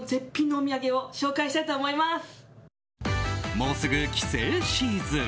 もうすぐ帰省シーズン。